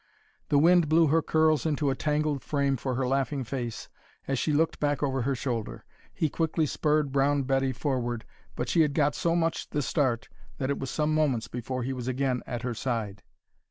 The wind blew her curls into a tangled frame for her laughing face as she looked back over her shoulder. He quickly spurred Brown Betty forward, but she had got so much the start that it was some moments before he was again at her side.